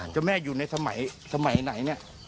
เจ้าแม่อยู่ในสมัยไหนเนี่ย